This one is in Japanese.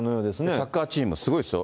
サッカーチーム、すごいっすよ。